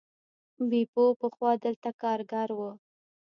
بیپو پخوا دلته کارګر و.